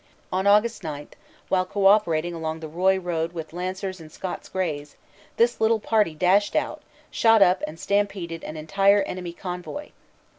On Aug. 9, while co operating along the Royc road with Lancers and Scots Grays, this little party dashed out, shot up and stampeded an entire enemy convoy.